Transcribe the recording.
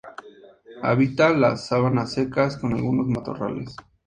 Habita las sabanas secas con algunos matorrales.